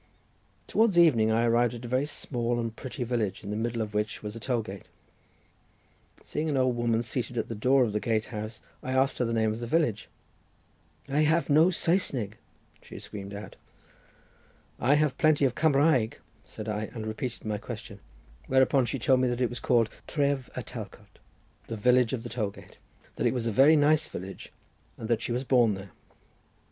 Towards evening I arrived at a very small and pretty village, in the middle of which was a toll gate—seeing an old woman seated at the door of the gate house, I asked her the name of the village. "I have no Saesneg!" she screamed out. "I have plenty of Cumraeg," said I, and repeated my question. Whereupon she told me that it was called Tref y Talcot—the village of the toll gate. That it was a very nice village, and that she was born there.